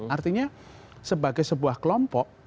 artinya sebagai sebuah kelompok